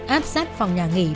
áp sát phòng nhà nghỉ